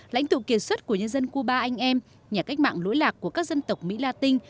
là ảnh tựu kiệt xuất của nhân dân cuba anh em nhà cách mạng lỗi lạc của các dân tộc mỹ la tinh